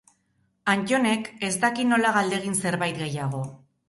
Anttonek ez daki nola galdegin zerbait gehiago...